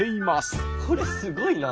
これすごいな！